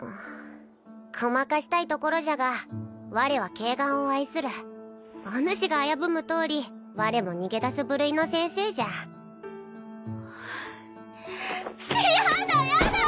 ごまかしたいところじゃが我は慧眼を愛するおぬしが危ぶむとおり我も逃げ出す部類の先生じゃヤダヤダ！